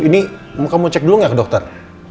ini kamu cek dulu gak ke dokter